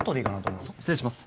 失礼します。